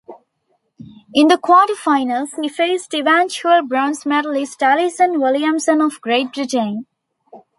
In the quarterfinals, He faced eventual bronze medalist Alison Williamson of Great Britain.